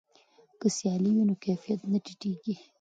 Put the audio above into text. که سیالي وي نو کیفیت نه ټیټیږي.